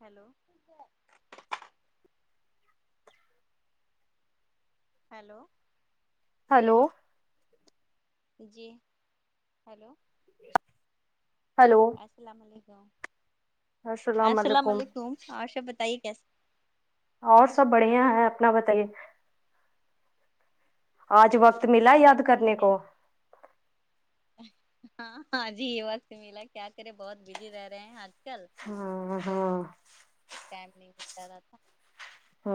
hello hello hello جی hello hello السلام علیکم السلام علیکم اور سب بتائیے کیسے اور سب بڑھیا ہے اپنا بتائیے آج وقت ملا سب یاد کرنے ٹھیک ہے کو ہاں ہاں جی یہ وقت ملا کیا کرے بہت بزی رہ رہے ہیں آج کل ہاں تو ہاں ٹائم نہیں لتا رہتا ہ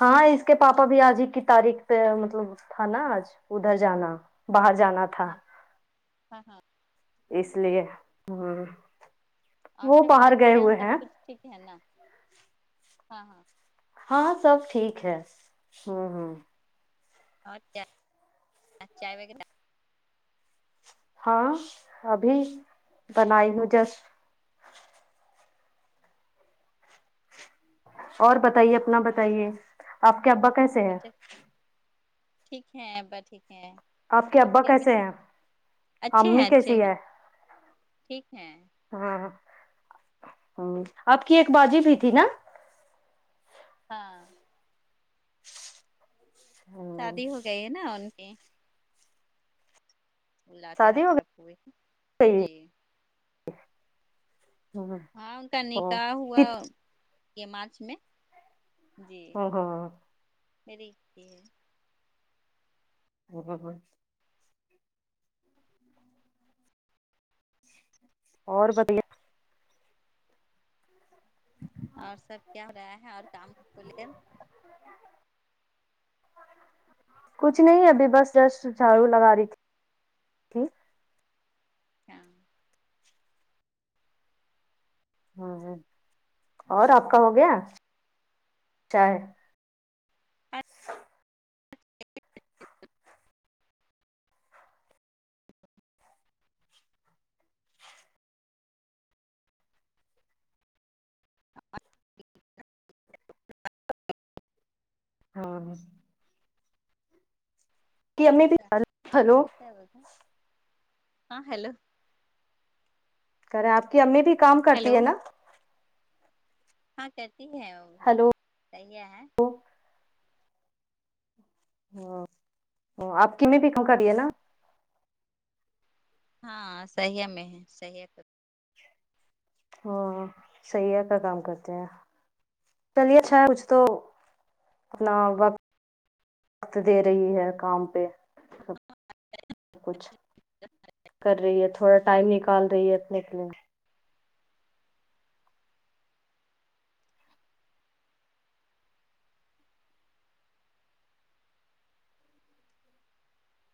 ہاں اس کے پاپا بھی آج ہی کی تاریخ پہ مطلب تھا نا آج ادھر جانا باہر جانا تھا ہاں ہاں ہاں اس لیے ہ اور وہ سب باہر باجی گئے کے یہاں ہوئے ہیں سب کچھ ٹھیک ہے نا ہاں ہاں ہاں سب ٹھیک ہے ہوں ہوں اور چائے چائے وغیرہ ہاں ابھی بنائی ہوں جسٹ اور بتائیے اپنا اور سب بتائیے آپ کے ابا کیسے ہیں بچے ٹھیک ہےابا ٹھیک ہے آپ ابا کے امی کیسے ٹھک ہیں ہے اچھے امی ہیں اچھے کیسی ہیں ہے ٹھیک ہے ہاں ام آپ کی ایک باجی بھی تھی نا ہاں ہ شادی ہو گئی ہے نا ان کی لاتے ہر شادی ہو طرف کو بھی گئی جی [unintelligible] ہاں ان کا نکاح ہوا یہ مارچ میں جی میری ہے ا ہ ہ اور بتائے [inaudible] اور سب کیا ہو رہا ہے اور کام کو لے کچھ نہیں ابھی بس جسٹ جھاڑو لگا رہی تھی ہ ہاں ہ اور آپ کا ہو گیا چاے [unintelligible] [unintelligible] [unintelligible] ہاں کی امی بھی ہلو کیا بول رہے تھے ہاں ہیلو کریں آپ کی امی بھی کام کرتی ہیلو ہے ناں ہاں کرتی ہے وہ بھی ہلو سیاح ہیں ہاں آپ کی امی بھی کام کری ہے نا ہاں سیاح میں ہے صحیح ہاں سیاح کا کام کرتے ہیں چلیے اچھا ہے کچھ تو اپنا وقت وقت دے رہی ہے کام پے کچھ کر رہی ہے تھوڑا ٹائم نکال رہی ہے اپنے کے لیے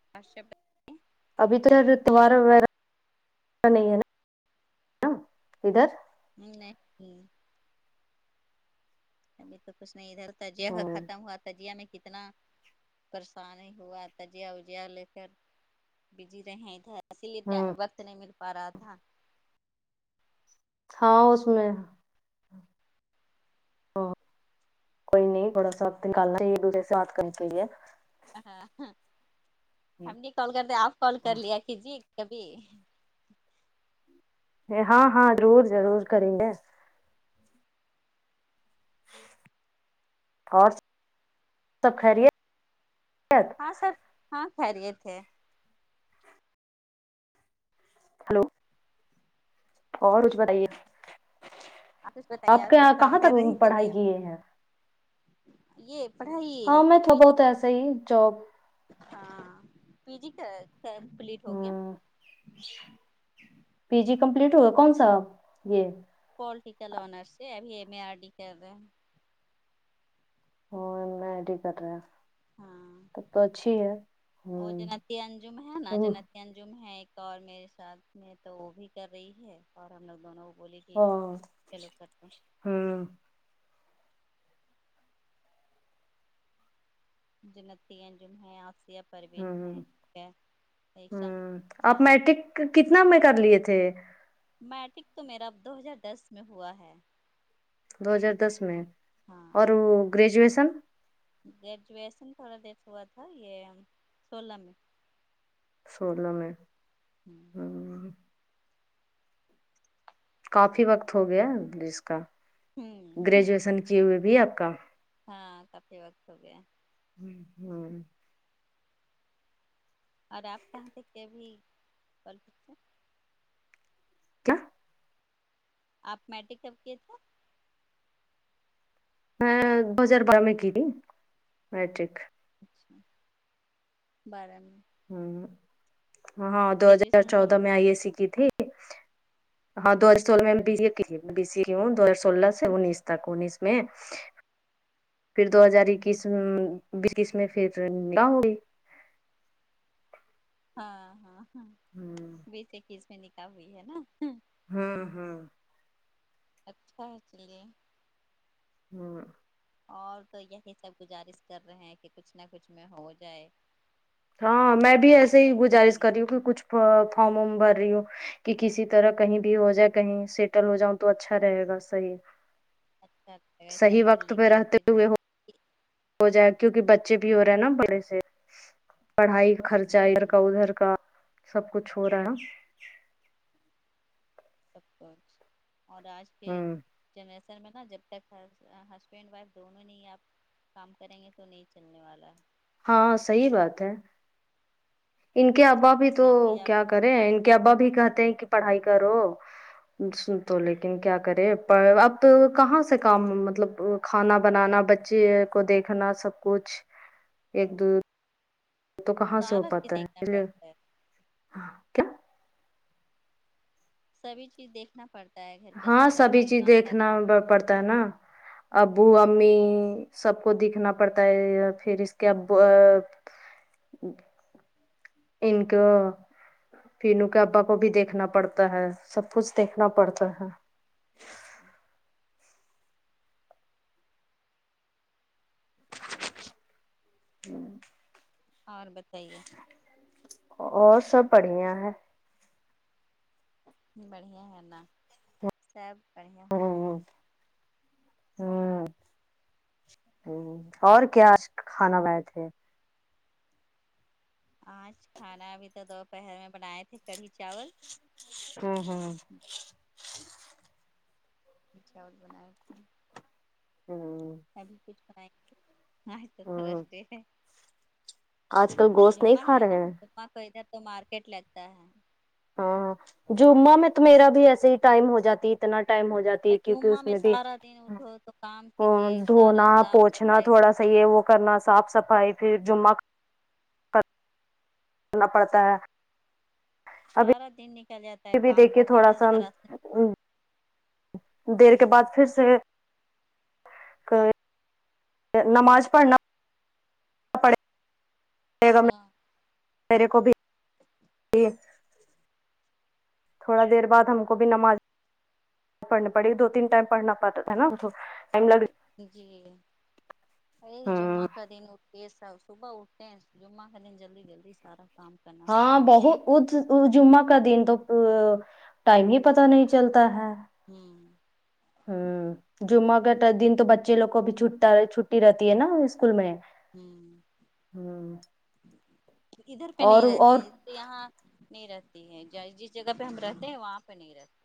[unintelligible] ابھی تیوہار ویہار نہیں ہے ناں ادھر نہیں ابھی تو کچھ نہیں ادھر تجیہ ہ ختم ہوا تجیہ میں کتنا پریشانی ہوا تجیہ وجیا لے کر بزی رہے ادھر اسی لیے ہ وقت نہیں مل پا رہا تھا تھا اس میں کوئی نہیں تھوڑا سا نکالنا ایک دوسرے سے بات کرنی چاہیے ہاں ہم نہیں کال کرتے آپ کال کر لیا کی جئیے کبھی ہاں ہاں ضرور ضرور کریں گے اور سب خیریت ہاں سب ہاں خیریت ہے ہلو اور کچھ بتائیے آپ کچھ بتائیے آپ کے یہاں کچھ کام کہاں تک پڑھائی کیے ہیں یے پڑھائی ہے ہاں میں تھوڑا پی جی بہت ایسا ہی جاب ہاں پی جی کا کمپلیٹ ہو گیا پی جی کمپلیٹ ہوا کون سا اب یے پولیٹیکل آنرس سے ابھی ایم اے آر ڈی کر رہے ہیں ہاں ایم اے آر ٹی کر رہے ہے ہاں تب تو اچھی اور ہ جنتی انجم ہے نا ہ جنتی انجم ہے ایک اور میرے ساتھ میں تو وہ بھی کر رہی ہے اور ہم لوگ دونوں کو بولی ہاں ہمم جنتی انجم ہیں آسیہ آمم پروین ہے ہمم ایک ہمم اچھا آپ میٹرک کتنا میں کر لیے تھے میٹرک تو میرا اب دو ہزار دس میں ہوا ہے دو ہزار دس میں ہاں اور وہ گریجویشن گریجویشن تھوڑا دیر ہوا تھا یے سولہ میں سولہ میں ہوں ہ کافی وقت ہو گیا جس کا ہوں گریجویشن کیے ہوئے بھی آپ کا ہاں کافی وقت ہو گیا ہمم اور آپ کہاں سے ابھی [unintelligible] کیا آپ میٹرک کب کیے تھے میں دو ہزار بارہ میں کی تھی میٹرک اچھا بارہ میں ہمم ہاں دو ہزار گریجویشن چودہ میں کمپلیٹ آئی ایے سی کی تھی ہاں دو ہج سولہ میں بی جی کی تھی انیس تک انیس میں پھر دو ہزار اکیس بییس میں پھر نکاح ہو گئی ہاں ہاں ہاں ہ بیس ایکیس میں نکاح ہوئی ہے نا ہوں ہوں اچھا ہے چلیے ہوں اور تو یہی سب گزارش کر رہے ہیں کہ کچھ نہ کچھ میں ہو جائے ہاں میں خدا بھی ایسے ہی کب گزارش سنیں گے کر رہی سن ہوں کہ کچھ فارم وم بھر رہی ہوں کہ کسی طرح کہیں بھی ہو جائے کہیں سیٹل ہو جاؤں تو اچھا رہے گا صحیح اچھا لگا اتنا صحیح پڑھ وقت لکھ پہ کر رہتے ہوئے ہو پھر ہو جائے کیونکہ بچے بھی ہو رہے ہیں نا بڑے سے پڑھائی خرچہ ادھر کا ہوں ادھر کا سب کچھ ہو رہا ہے ن سب کچ اور آج کے ہ میں نا جب تک ہسبینڈ وائف دونوں نہیں آپ کام کریں گے تو نہیں چلنے والا ہاں صحیح بات ہے ان کے ابا بھی تو کتنا آپ کیا کریں ان کے ابا بھی کہتے ہیں کہ پڑھائی کرو سن تو ہ لیکن کیا کرے پر اب کہاں سے کام مطلب کھانا بنانا بچے کو دیکھنا سب کچھ ایک دو تو کہاں سے ہو سارا چیز پاتا ہے دیکھنا چے پڑتا ہے ہاں کیا سبھی چیز دیکھنا پڑتا ہے گھر کا ہاں سارا سبھی کام چیز ناشتہ دیکھنا کھانا پڑتا ہے نا ابو امی سب کو دیکھنا پڑتا ہے پھر اس کے ابو انکو پینو کے ابا کو بھی دیکھنا پڑتا ہے سب کچھ دیکھنا پڑتا ہے ہوں اور بتائیے اور سب بڑھیا ہے بڑھیا ہے نا سب بڑھیا ہونا ہے ہ ہ ہ اور کیا کھانا بنائے تھے آج کھانا ابھی تو دوپہر میں بنائے تھے کڑھی چاول ہوں ہوں چاول بناائے کے ہوں ابھی کچھ بنائے آج تو کراش ہوں ڈے ہے آج کل گوشت نہیں جمعہ کھا ہے نا رہے ہیں جمعہ کو ادھر تو مارکیٹ لگتا ہے ہاں ہاں جمعہ میں تو میرا بھی ایسے ہی ٹائم ہو جاتی اتنا ٹائم ہو جاتا کیونکہ جمعہ اس میں بھی سارا دن اٹھو تو کام او کیجیے سارا دھونا صاف پوچھنا صفائی تھوڑا سا صحیح ہے وہ کرنا صاف صفائی پھر جمعہ کرنا پڑتا ہے ابھی سارا دن نکل جاتا ہے بھی کام دیکھیے بہت تھوڑا زیادہ سا ہرا دیر کے بعد پھر سے نماز پڑھنا بیگم نے ہاں میرے کو بھی تھوڑا دیر بعد ہم کو بھی نماز پڑنے پڑے گی دو تین ٹائم پڑھ پڑتا پڑھتا تھا نا ٹائم لگ جی ہ جمعہ کا دن اٹھتے سب صبح اٹھتے ہیں جمعہ کے دن جلدی جلدی سارا کام کرنا ہاں پڑتا نا بہت جمعہ کا دن تو ٹائم ہی پتا نہیں چلتا ہے ہمم ہمم جمعہ گٹا دن تو بچے لوگ کو بھی چھٹا چھٹی رہتی ہے نا اسکول میں ہمم ہ ادھر پنے اور اور یہاں نہیں رہتی ہے جس جگہ پے ہم رہتے ہیں وہاں پے نہیں رہتے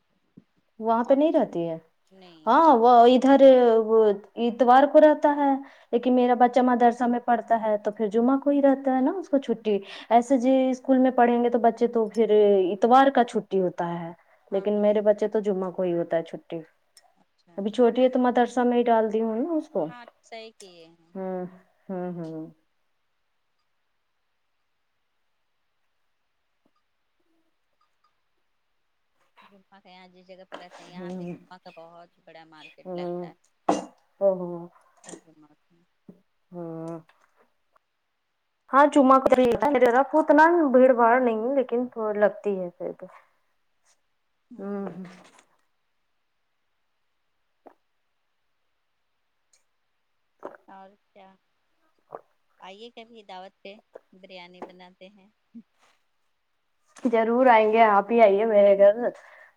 وہاں پے اور نہیں رہتی ہے نہیں ہاں وہ ادھر اتوار کو رہتا ہے لیکن میرا بچہ مدرسہ میں پڑتا ہے تو پھر جمعہ کوئی رہتا ہے نا اس کو چھٹی ایسے جی اسکول میں پڑھیں گے تو بچے تو پھر اتوار کا چھٹی ہوتا ہے ہاں لیکن ہاں میرے بچے تو جمہ کو ہی ہوتا ہے چھٹی اچھا ابھی اچھا چھوٹی ہے تو مدرسہ سا ڈال دی ہوں اس کو ہاں صحیح کیے ہیں ہمم جمہ ہے اج جس جگہ پے رہتے یہاں ہوں پے جمہ کا بہت بڑا مارکیٹ ہوں لگتا ہے [unintelligible] [unintelligible] ہاں آ ہاں چمہ کو اتنا [unintelligible] بھیڑ باڑ نہیں ہے لیکن لگتی ہے ہ ہمم اور کیا آئیے کبھی دعوت پے بریانی بناتے ہیں ضرور آئیں گے آپ اپی آئیے ہے میرے گھر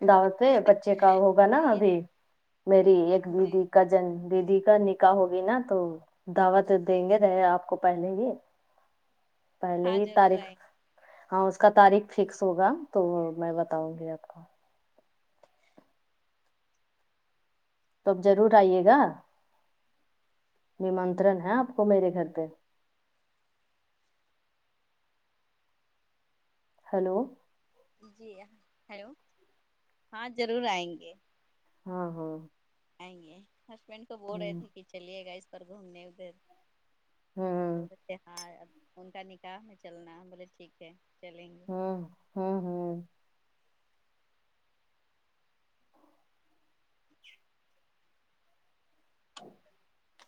دعوت پے بچے کا ہوگا نا آئیے ابھی میری ایک جی دیدی کا ن دیدی کا نکح ہوگی نا تو دعوت دیں گے رہے آپ کو پہلے ہی پہلے ہاں ہی ضرور تاریخ آئیں ہاں اس کا تاریخ فکس ہوگا تو میں بتاؤں گی آپ کو تو آپ جرور آئیے گا نمنترن ہے آپ کو میرے گھر پے ہیلو جی ہیلو ہاں جرور آئیں گے ہاں ہاں آئیں گے ہسبینڈ کو بول رہے ہوں تھے کی چلیے گا اس پر گھومنے ادھر ہوں بورے تھے ان کے نکاح میں چلنا بولے ٹھیک ہے چلیں گے ہمم ہمم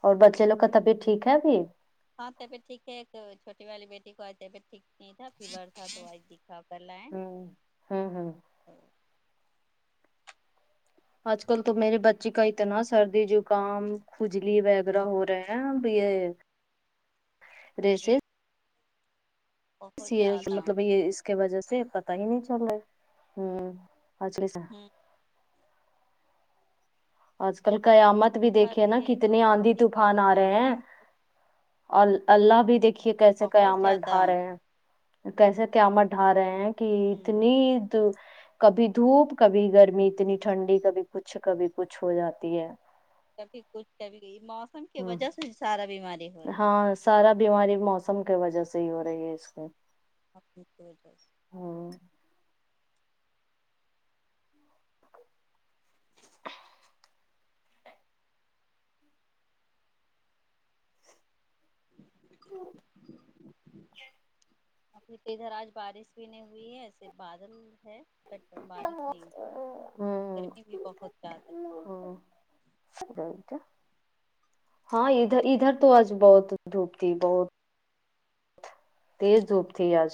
اور بچےلوگ کا طبیعت ٹھیک ہے ابھی ہاں طبعت ٹھیک ہے ایک چھوٹی والی بیٹی کو طبیعت نہیں تھا فیور تھا تو آج دکھا کر لیں ہوں ہوں ہوں تو آج کل تو میرے بچی کا اتنا سردی جوکام کجلی وغیرہ ہاں ہو رہے ہیں اب یے ریسے بہت یے زیادہ مطلب یے اس کے وجہ سے پتا ہی نہیں چل رہا ہے ہج ہوں آج کل قیامت بھی بخار دیکھیے نا ہے تو کتنی ابھی آندھی دکھوا طوفان کر آ رہے ہیں لائے اور اللہ بھی دیکھیے کیسے بہت قیامت زیادہ ڈھا رہے ہیں کیسے قیامت ڈھا رہے ہیں کی ہوں اتنی تو کبھی دھوپ کبھی گرمی اتنی ٹھنڈی کبھی کچھ کبھی کچھ ہو جاتی ہے کبھی کچھ کبھی موسم کی ہ وجہ سے سارا بیماری ہو رہا ہے ہاں سارا بیماری موسم کی وجے سے ہی ہو رہی ہے اس میں [unintelligible] ابھی تو ادھر آج بارش بھی نہیں ہوئی ہے ایسے بادل ہے بارش نہیں گرمی بھی بہت زیادہ ہاں ادھر ادھر تو آج بہت دھوپ تھی بہت تیز دھوپ تھی آج